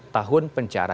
tiga belas tahun penjara